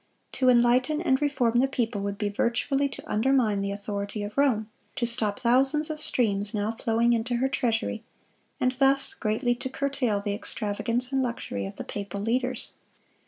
To enlighten and reform the people would be virtually to undermine the authority of Rome, to stop thousands of streams now flowing into her treasury, and thus greatly to curtail the extravagance and luxury of the papal leaders.